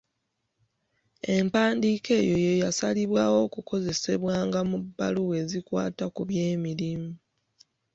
Empandiika eyo ye yasalibwawo okukozesebwanga mu bbaluwa ezikwata ku byemirimu